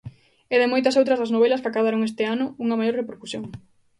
E de moitas outras das novelas que acadaron este ano unha maior repercusión.